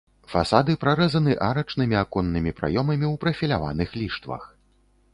Фасады прарэзаны арачнымі аконнымі праёмамі ў прафіляваных ліштвах.